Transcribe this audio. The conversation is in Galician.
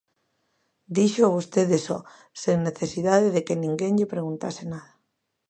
Díxoo vostede só, sen necesidade de que ninguén lle preguntase nada.